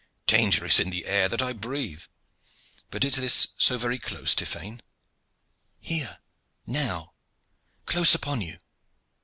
"Danger is in the air that I breathe. But is this so very close, Tiphaine?" "Here now close upon you!"